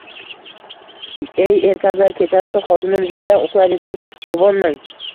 Ey erkaklar, kechasi xotinim ziyrak uxlaydi, deb quvonmang